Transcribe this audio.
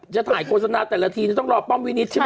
จะถ่ายโฆษณาแต่ละทีจะต้องรอป้อมวินิตใช่ไหม